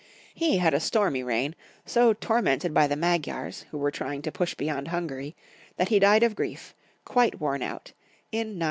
He had a stormy reign, so tormented by the Magyars, who were trying to push beyond Hungary, that he died of grief, quite worn out, in 912.